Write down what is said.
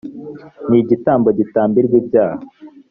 ni igitambo gitambirwa ibyaha .